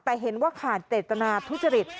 แต่เห็นว่าขาดเจตนาทุจริต